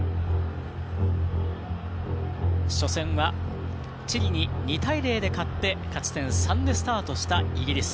初戦はチリに２対０で勝って勝ち点３でスタートしたイギリス。